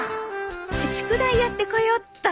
宿題やってこよっと。